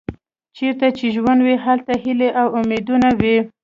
چیرته چې ژوند وي هلته هیلې او امیدونه وي.